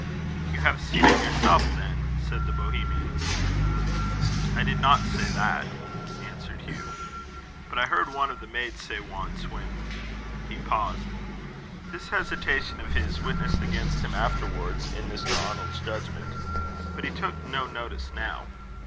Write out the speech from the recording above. "You have seen it yourself, then?" said the Bohemian. "I did not say that," answered Hugh. "But I heard one of the maids say once when " He paused. This hesitation of his witnessed against him afterwards, in Mr. Arnold's judgment. But he took no notice now.